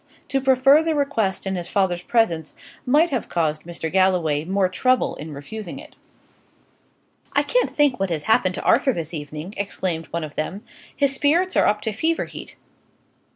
To prefer the request in his father's presence might have caused Mr. Galloway more trouble in refusing it. "I can't think what has happened to Arthur this evening!" exclaimed one of them. "His spirits are up to fever heat.